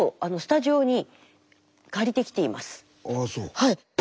はい。